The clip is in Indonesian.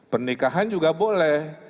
pernikahan juga boleh